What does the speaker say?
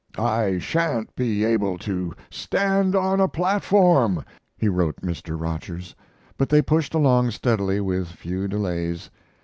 "I sha'n't be able to stand on a platform," he wrote Mr. Rogers; but they pushed along steadily with few delays.